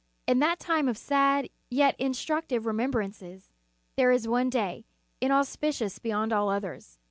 In that time of sad, yet instructive remembrances, there is one day, inauspicious beyond all others.